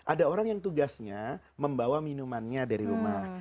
ada orang yang tugasnya membawa minumannya dari rumah